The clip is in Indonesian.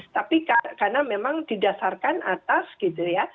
tapi karena memang didasarkan atas gitu ya